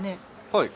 はい。